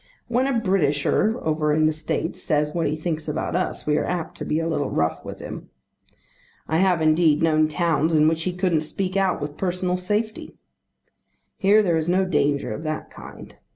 When a Britisher over in the States says what he thinks about us, we are apt to be a little rough with him. I have, indeed, known towns in which he couldn't speak out with personal safety. Here there is no danger of that kind.